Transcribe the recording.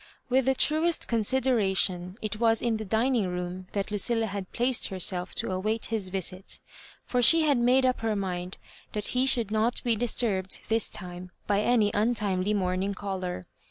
With the truest consideration, it was in the dining room that Lucilla had placed herself to await his visit ; for she had made up her mind that he should not be disturbed this time by any untimely morning caller.